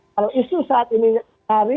kalau isu saat ini hari